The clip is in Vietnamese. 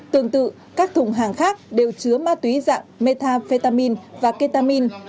tương tự các thùng hàng khác đều chứa ma túy dạng metafetamin và ketamin